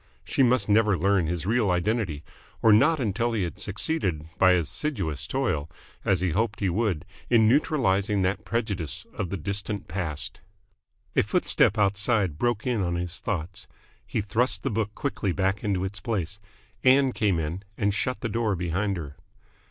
She must never learn his real identity or not until he had succeeded by assiduous toil, as he hoped he would, in neutralising that prejudice of the distant past. A footstep outside broke in on his thoughts. He thrust the book quickly back into its place. Ann came in, and shut the door behind her.